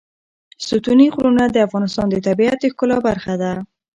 ستوني غرونه د افغانستان د طبیعت د ښکلا برخه ده.